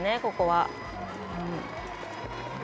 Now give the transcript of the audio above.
ここは。